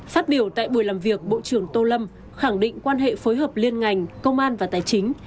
phát biểu tại buổi làm việc bộ trưởng tô lâm khẳng định quan hệ phối hợp liên ngành công an và tài chính